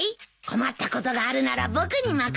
困ったことがあるなら僕に任せて！